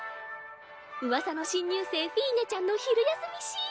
うわさの新入生フィーネちゃんの昼休みシーン。